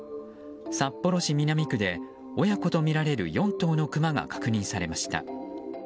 札幌市南区で親子とみられる４頭のクマが確認されました。